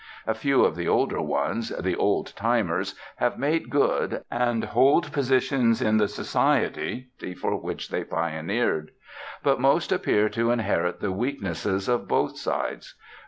A few of the older ones, the 'old timers', have 'made good,' and hold positions in the society for which they pioneered. But most appear to inherit the weaknesses of both sides.